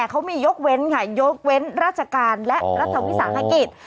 เขามียกเว้นไงยกเว้นราชการและรัฐพิษาฯภักดิ์